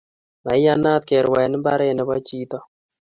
Maiyanat kerwae mbaret nebo chito